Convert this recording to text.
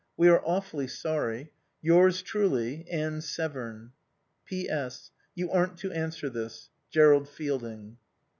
We are awfully sorry. Yours truly, ANNE SEVERN. P.S. You aren't to answer this. JERROLD FIELDING.